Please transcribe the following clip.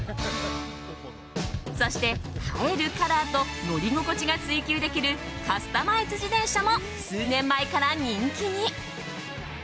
そして、映えるカラーと乗り心地が追求できるカスタマイズ自転車も数年前から人気に。